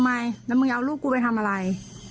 ทำไมแล้วมึงเอาลูกกูไปทำอะไร